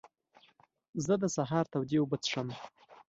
زه د سهار تودې اوبه څښم.